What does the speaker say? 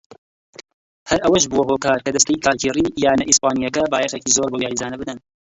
هەر ئەوەش بووە هۆکار کە دەستەی کارگێڕیی یانە ئیسپانییەکە بایەخێکی زۆر بەو یاریزانە بدەن.